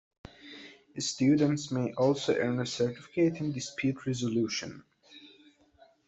Students may also earn a Certificate in Dispute Resolution.